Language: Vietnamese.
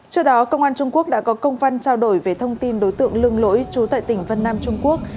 trước đó công an trung quốc đã có công văn trao đổi về thông tin đối tượng lương lỗi trú tại tỉnh vân nam trung quốc